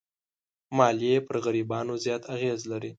مالیې پر غریبانو زیات اغېز لري.